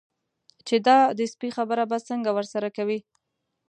چې دا د سپي خبره به څنګه ورسره کوي.